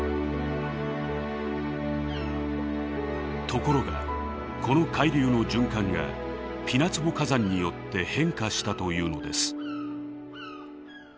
ところがこの海流の循環がピナツボ火山によって変化したというのです。